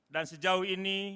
dan sejauh ini